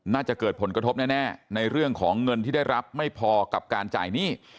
น่าจะเกิดผลกระทบแน่ในเรื่องของเงินที่ได้รับไม่พอกับการจ่ายหนี้